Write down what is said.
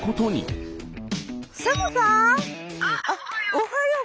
おはよう。